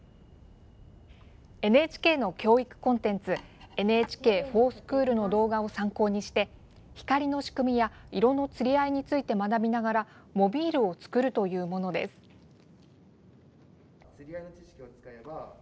ＮＨＫの教育コンテンツＮＨＫｆｏｒＳｃｈｏｏｌの動画を参考にして光の仕組みや色の釣り合いについて学びながらモビールを作るというものです。